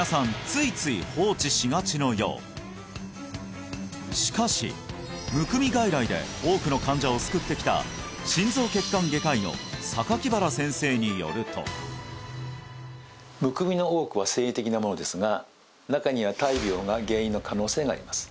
ついつい放置しがちのようしかしむくみ外来で多くの患者を救ってきた心臓血管外科医の榊原先生によるとむくみの多くは生理的なものですが中には大病が原因の可能性があります